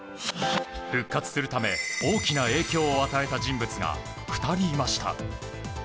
復活するため、大きな影響を与えた人物が２人いました。